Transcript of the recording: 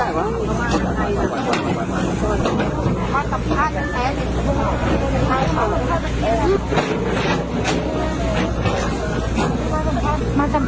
หลังจากนี้ก็ได้รู้สึกว่าแม่ขอบคุณมากแม่ขอบคุณมาก